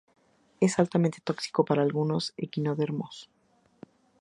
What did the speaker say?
Es altamente tóxico para algunos equinodermos.